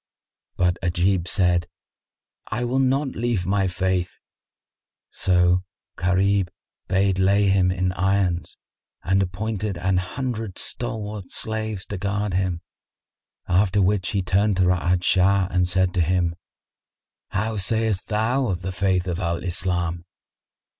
But Ajib said, "I will not leave my faith." So Gharib bade lay him in irons and appointed an hundred stalwart slaves to guard him; after which he turned to Ra'ad Shah and said to him, "How sayst thou of the faith of Al Islam?"